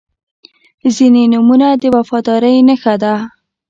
• ځینې نومونه د وفادارۍ نښه ده.